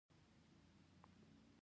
دا سړی غټ قد لري.